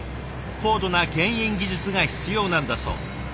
高度なけん引技術が必要なんだそう。